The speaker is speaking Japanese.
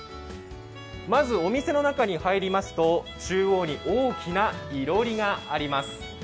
まずお店の中に入りますと中央に大きないろりがあります。